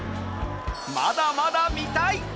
まだまだ見たい。